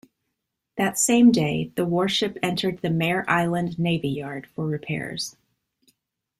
That same day, the warship entered the Mare Island Navy Yard for repairs.